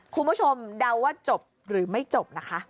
คุณผู้ชมเดาว่าจบหรือไม่จบนะคะ